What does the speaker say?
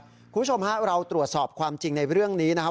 คุณผู้ชมฮะเราตรวจสอบความจริงในเรื่องนี้นะครับ